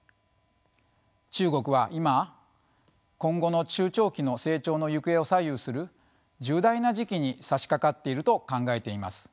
中国は今今後の中長期の成長の行方を左右する重大な時期にさしかかっていると考えています。